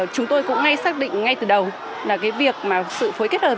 chúng tôi cũng ngay xác định ngay từ đầu là việc sự phối kết hợp